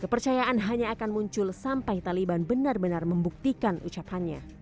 kepercayaan hanya akan muncul sampai taliban benar benar membuktikan ucapannya